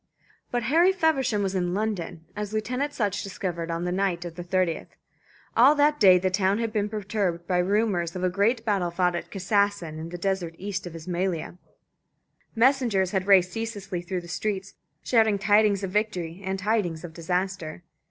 But Harry Feversham was in London, as Lieutenant Sutch discovered on the night of the 30th. All that day the town had been perturbed by rumours of a great battle fought at Kassassin in the desert east of Ismailia. Messengers had raced ceaselessly through the streets, shouting tidings of victory and tidings of disaster.